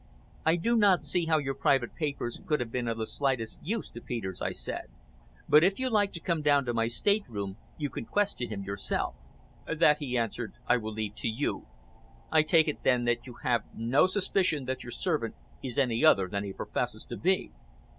"I do not see how your private papers could have been of the slightest use to Peters," I said; "but if you like to come down to my state room you can question him yourself." "That," he answered, "I will leave to you. I take it then that you have no suspicion that your servant is any other than he professes to be?"